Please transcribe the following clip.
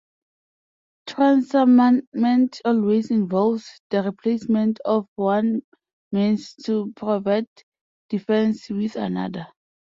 Transarmament always involves the replacement of one means to provide defense with another.